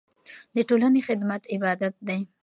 د ټولنې خدمت عبادت دی.